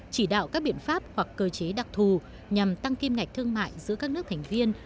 chỉ đạo các biện pháp hoặc cơ chế đặc thù nhằm tăng kim ngạch thương mại giữa các nước thành viên